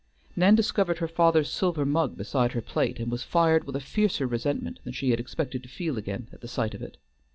Nan discovered her father's silver mug beside her plate, and was fired with a fiercer resentment than she had expected to feel again, at the sight of it.